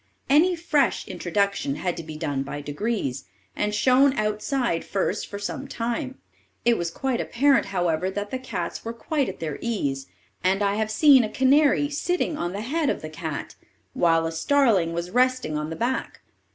Any fresh introduction had to be done by degrees, and shown outside first for some time. It was quite apparent, however, that the cats were quite at their ease, and I have seen a canary sitting on the head of the cat, while a starling was resting on the back.